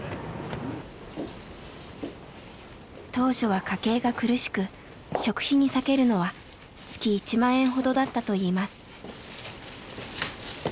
当初は家計が苦しく食費に割けるのは月１万円ほどだったといいます。